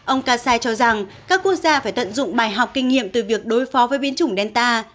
ông kasai cho rằng các quốc gia phải tận dụng bài học kinh nghiệm từ việc đối phó với biến chủng delta